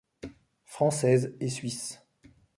Française et Suisse.